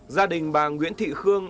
gia đình bà nguyễn thị khương